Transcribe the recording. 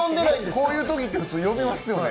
こういうときって普通、呼びますよね？